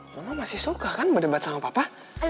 karena masih suka kan berdebat sama papa